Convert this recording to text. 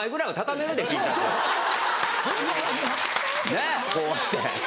ねっこうやって。